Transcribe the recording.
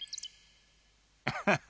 アハハ。